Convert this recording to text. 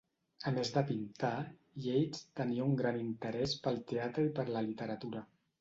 A més de pintar, Yeats tenia un gran interès pel teatre i per la literatura.